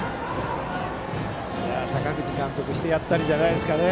阪口監督してやったりじゃないですかね。